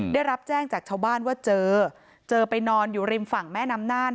ได้รับแจ้งจากชาวบ้านว่าเจอเจอไปนอนอยู่ริมฝั่งแม่น้ำน่าน